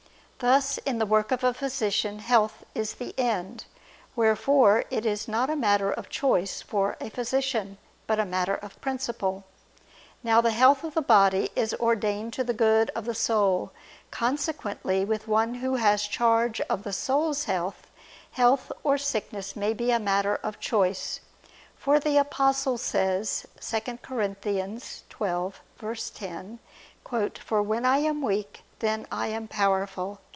Thus in the work of a physician health is the end: wherefore it is not a matter of choice for a physician, but a matter of principle. Now the health of the body is ordained to the good of the soul, consequently with one who has charge of the soul's health, health or sickness may be a matter of choice; for the Apostle says (2 Cor. 12:10): "For when I am weak, then am I powerful."